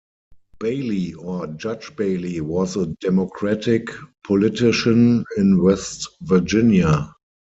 Bailey or "Judge Bailey," was a Democratic politician in West Virginia.